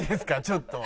ちょっと。